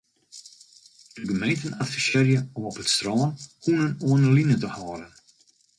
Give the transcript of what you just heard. De gemeenten advisearje om op it strân hûnen oan 'e line te hâlden.